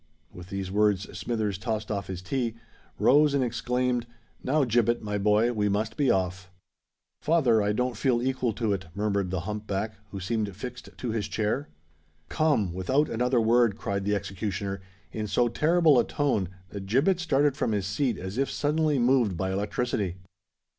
With these words Smithers tossed off his tea, rose, and exclaimed, "Now, Gibbet, my boy, we must be off." "Father, I don't feel equal to it," murmured the hump back, who seemed fixed to his chair. "Come—without another word!" cried the executioner, in so terrible a tone that Gibbet started from his seat as if suddenly moved by electricity.